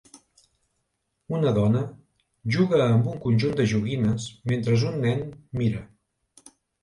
Una dona juga amb un conjunt de joguines mentre un nen mira.